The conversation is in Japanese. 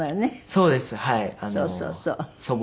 そうそうそう。